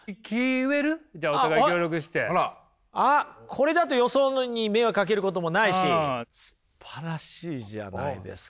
これだとよそに迷惑かけることもないしすばらしいじゃないですか。